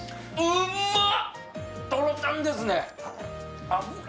うまっ！